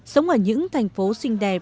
sống ở những thành phố xinh đẹp